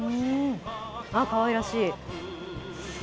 かわいらしい。